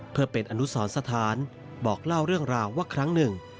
เพื่อเป็นอนุสรสถานบอกเล่าเรื่องราวว่าครั้งหนึ่ง